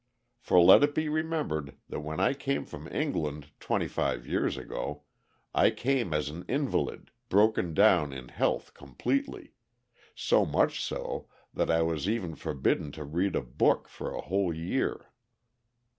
For let it be remembered that when I came from England, twenty five years ago, I came as an invalid, broken down in health completely; so much so that I was even forbidden to read a book for a whole year.